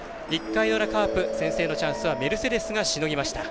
１回裏、カープ先制のチャンスはメルセデスがしのぎました。